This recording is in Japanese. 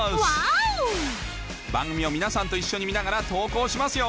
番組を皆さんと一緒に見ながら投稿しますよ